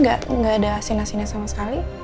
gak ada asin asinnya sama sekali